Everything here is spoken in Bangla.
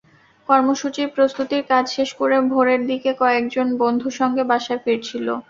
কর্মসূচির প্রস্তুতির কাজ শেষ করে ভোরের দিকে কয়েকজন বন্ধুর সঙ্গে বাসায় ফিরছিল।